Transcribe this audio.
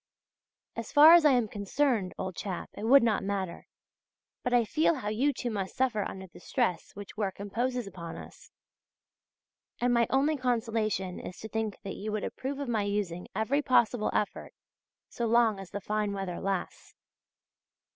As far as I am concerned, old chap, it would not matter, but I feel how you too must suffer under the stress which work imposes upon us; and my only consolation is to think that you would approve of my using every possible effort, so long as the fine weather lasts.